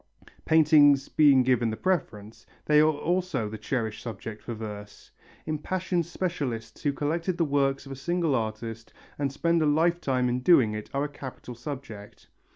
Paintings being given the preference, they are also the cherished subject for verse. Impassioned specialists who collect the works of a single artist and spend a lifetime in doing it are a capital subject.